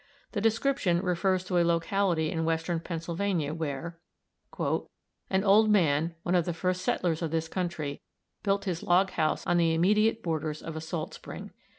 The description refers to a locality in western Pennsylvania, where "an old man, one of the first settlers of this country, built his log house on the immediate borders of a salt spring.